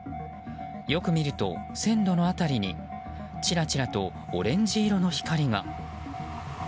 よく見ると、線路の辺りにちらちらとオレンジ色の光が。